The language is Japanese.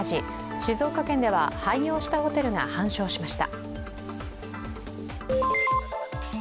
静岡県では廃業したホテルが半焼しました。